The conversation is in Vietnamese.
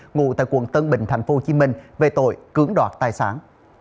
ngụ tại quận tân bình tp hcm về tội cưỡng đoạt tài sản